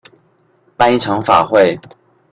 辦一場法會